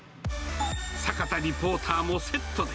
坂田リポーターもセットで。